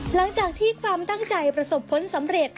หลังจากที่ความตั้งใจประสบผลสำเร็จ